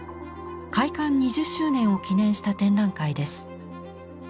開館２０周年を記念した展覧会です。